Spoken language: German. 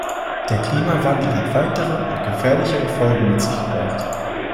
Der Klimawandel hat weitere und gefährlichere Folgen mit sich gebracht.